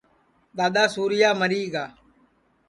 دؔادؔا سُورِیا مری گا